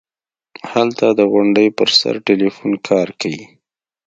هلته د غونډۍ پر سر ټېلفون کار کيي.